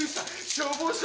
消防車。